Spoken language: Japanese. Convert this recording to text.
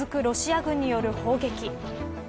ロシア軍による砲撃。